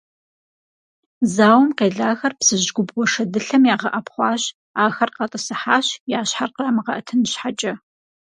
Зауэм къелахэр Псыжь губгъуэ шэдылъэм ягъэӏэпхъуащ, ахэр къатӏысыхьащ, я щхьэр кърамыгъэӏэтын щхьэкӏэ.